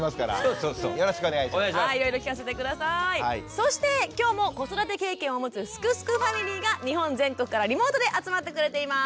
そして今日も子育て経験を持つ「すくすくファミリー」が日本全国からリモートで集まってくれています。